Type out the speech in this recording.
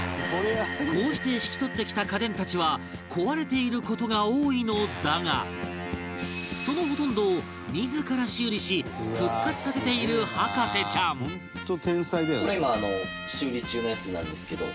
こうして引き取ってきた家電たちは壊れている事が多いのだがそのほとんどを自ら修理し復活させている博士ちゃん隆貴君：これ、今修理中のやつなんですけど。